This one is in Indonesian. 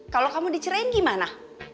kalau kamu dicerain gimana